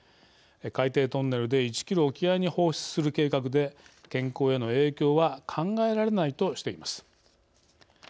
海底トンネルで１キロ沖合に放出する計画で健康への影響は考えられないとしています。